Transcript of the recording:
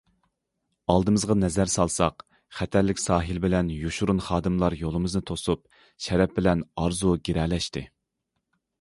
ئالدىمىزغا نەزەر سالساق، خەتەرلىك ساھىل بىلەن يوشۇرۇن خادىلار يولىمىزنى توسۇپ، شەرەپ بىلەن ئارزۇ گىرەلەشتى.